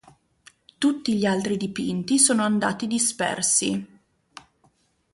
Tutti gli altri dipinti sono andati dispersi.